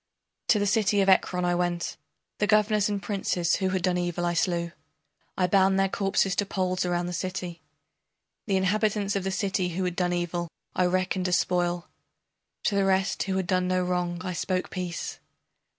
To the city of Ekron I went, The governors and princes who had done evil I slew, I bound their corpses to poles around the city. The inhabitants of the city who had done evil I reckoned as spoil; To the rest who had done no wrong I spoke peace.